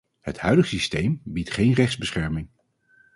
Het huidige systeem biedt geen rechtsbescherming.